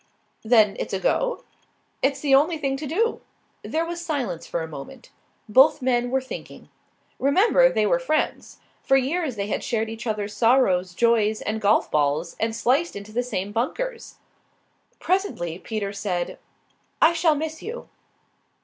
"Then it's a go?" "It's the only thing to do." There was silence for a moment. Both men were thinking. Remember, they were friends. For years they had shared each other's sorrows, joys, and golf balls, and sliced into the same bunkers. Presently Peter said: "I shall miss you."